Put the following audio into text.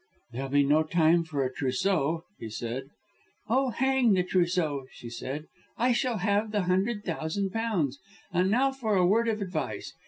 "There'll be no time for a trousseau!" he said. "Oh, hang the trousseau!" she said. "I shall have the hundred thousand pounds. And now for a word of advice.